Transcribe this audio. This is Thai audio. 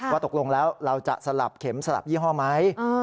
ตกลงแล้วเราจะสลับเข็มสลับยี่ห้อไหม